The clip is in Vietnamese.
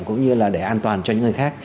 cũng như là để an toàn cho những người khác